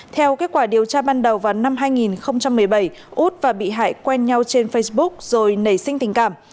theo kết quả điều tra ban đầu vào năm hai nghìn một mươi bảy út và bị hại quen nhau trên facebook rồi nảy sinh tình cảm